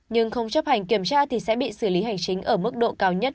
nhưng không chấp hành kiểm tra thì sẽ bị xử lý hành chính ở mức độ cao nhất